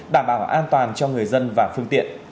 đảm bảo an toàn cho người dân và phương tiện